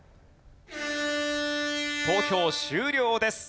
投票終了です。